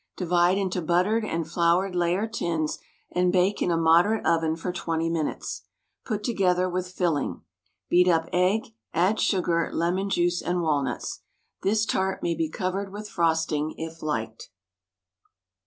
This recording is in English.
Divide into buttered and floured layer tins and bake in a moderate oven for twenty minutes. Put together with filling. Beat up egg, add sugar, lemon juice and walnuts. This tart may be covered with frosting if liked.